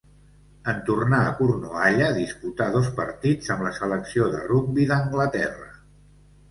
En tornar a Cornualla disputà dos partits amb la selecció de rugbi d'Anglaterra.